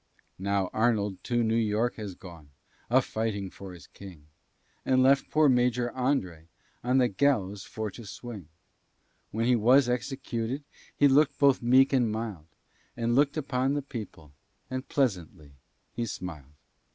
Now Arnold to New York has gone, A fighting for his king, And left poor Major André On the gallows for to swing; When he was executed, He look'd both meek and mild; He look'd upon the people, And pleasantly he smil'd.